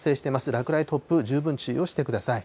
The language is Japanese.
落雷、突風、十分注意をしてください。